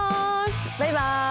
バイバイ。